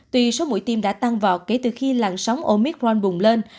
tùy số mũi tiêm đã tăng vọt kể từ khi làng sóng omicron bùng lên